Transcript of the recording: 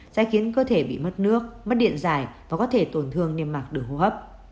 sẽ khiến cơ thể bị mất nước mất điện dài và có thể tổn thương niêm mạc đường hô hấp